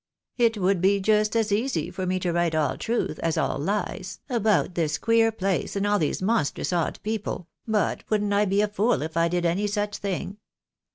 It would be just as easy for me to write all truth as all lies, about this queer place, and all these monstrous odd people, but wouldn't I be a fool if I did any such thing